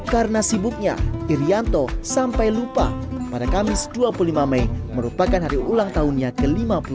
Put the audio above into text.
karena sibuknya irianto sampai lupa pada kamis dua puluh lima mei merupakan hari ulang tahunnya ke lima puluh delapan